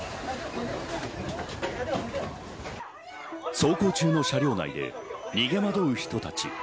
走行中の車両内で逃げ惑う人たち。